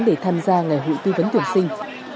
để tham gia ngày hội tư vấn tuyển sinh